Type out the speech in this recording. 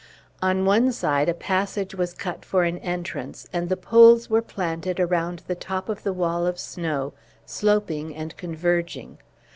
On one side, a passage was cut for an entrance, and the poles were planted around the top of the wall of snow, sloping and converging.